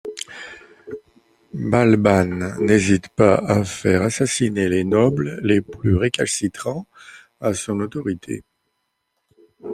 Balbân n'hésite pas à faire assassiner les nobles les plus récalcitrants à son autorité.